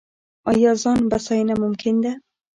آیا ځان بسیاینه ممکن ده؟